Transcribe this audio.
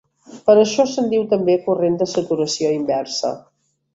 Per això se'n diu també corrent de saturació inversa.